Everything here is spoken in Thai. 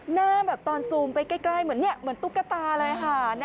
หน้าแบบตอนซูมไปใกล้เหมือนตุ๊กตาเลยค่ะ